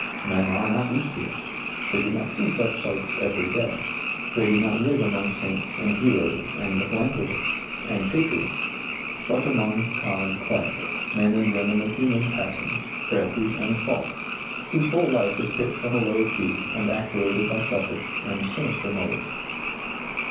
Men are not used to it, they do not see such sights every day, they do not live among saints and heroes, and philanthropists, and patriots, but among common clay, men and women of human passions, frailties and faults, whose w^ole life is pitched on a low key and actuated by selfish and sinister motives.